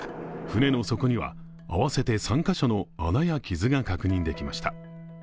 船の底には合わせて３カ所の穴や傷が確認できました。